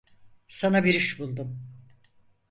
Sana bir iş buldum!